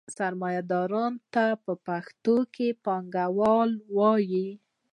سرمایدار ته پښتو کې پانګوال وايي.